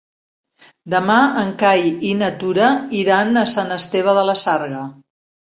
Demà en Cai i na Tura iran a Sant Esteve de la Sarga.